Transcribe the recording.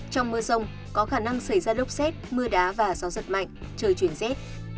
trong mưa rông có khả năng xảy ra lốc rét mưa đá và gió sật mạnh trời chuyển rét